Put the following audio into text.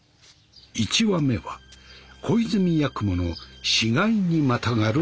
１話目は小泉八雲の「死骸にまたがる男」。